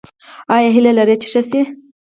ایا هیله لرئ چې ښه شئ؟